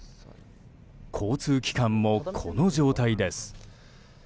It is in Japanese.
交通機関もこの状態です。